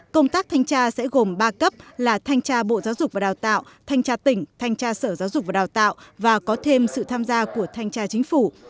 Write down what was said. công tác thanh tra sẽ gồm ba cấp là thanh tra bộ giáo dục và đào tạo thanh tra tỉnh thanh tra sở giáo dục và đào tạo và có thêm sự tham gia của thanh tra chính phủ